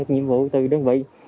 nhiệm vụ từ đơn vị